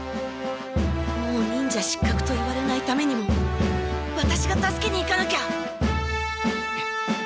もう忍者失格と言われないためにもワタシが助けに行かなきゃ。